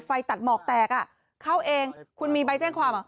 ไฟตัดหมอกแตกอ่ะเข้าเองคุณมีใบแจ้งความเหรอ